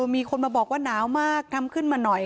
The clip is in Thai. มีคนมาบอกว่าหนาวมากทำขึ้นมาหน่อย